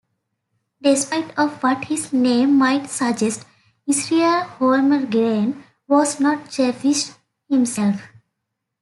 Despite of what his name might suggest, Israel Holmgren was not Jewish himself.